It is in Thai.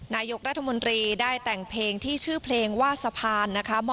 นายกรัฐมนตรีได้แต่งเพลงที่ชื่อเพลงว่าสะพานนะคะ